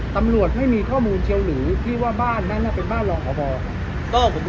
ตำรวจให้มีข้อมูลเชียวหนูที่ว่าบ้านนั่นก็เป็นบ้านรองกษ์บอร์ค